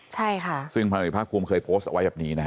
ใช่ค่ะซึ่งพันเอกภาคภูมิเคยโพสต์เอาไว้แบบนี้นะฮะ